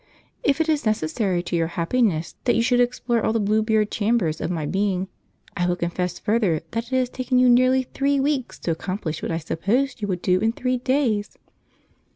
If it is necessary to your happiness that you should explore all the Bluebeard chambers of my being, I will confess further that it has taken you nearly three weeks to accomplish what I supposed you would do in three days!"